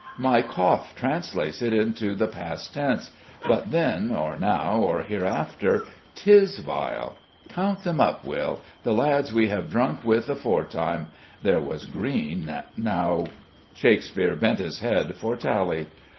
"My cough translates it into the past tense; but then, or now, or hereafter 'tis vile. Count them up, Will the lads we have drunk with aforetime. There was Greene, now " Shakespeare bent his head for tally.